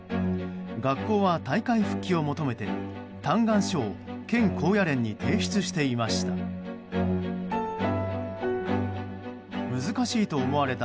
学校は大会復帰を求めて嘆願書を県高野連に提出していました。